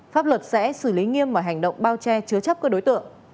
pháp luật sẽ xử lý nghiêm mọi hành động bao che chứa chấp các đối tượng